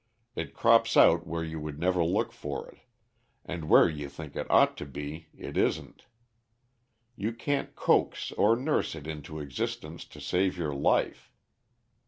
It crops out where you would never look for it, and where you think it ought to be it isn't. You can't coax or nurse it into existence to save your life.